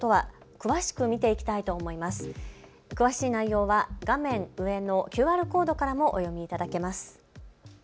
詳しい内容は画面右上のＱＲコードからもご覧いただけます。